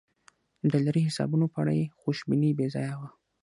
د ډالري حسابونو په اړه یې خوشبیني بې ځایه وه.